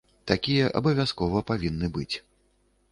Такія абавязкова павінны быць.